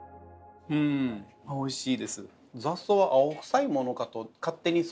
んおいしいです。